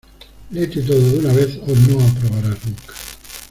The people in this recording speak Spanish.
¡Léete todo de una vez o no aprobarás nunca!